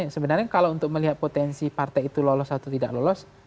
sebenarnya kalau untuk melihat potensi partai itu lolos atau tidak lolos